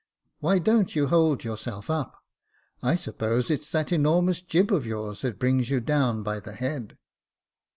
Why don't you hold yourself up .'' I suppose it's that enormous jib of yours that brings you down by the head."